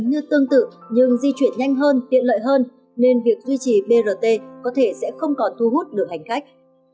như tương tự nhưng di chuyển nhanh hơn tiện lợi hơn nên việc duy trì brt có thể sẽ không còn thu hút được hành khách